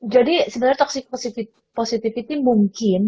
jadi sebenernya toxic positivity mungkin